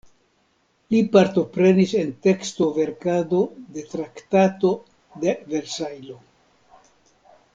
Li partoprenis en teksto-verkado de Traktato de Versajlo.